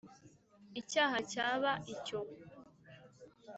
icyaha cyaba icyo.